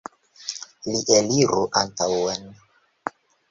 Li eliru antaŭen!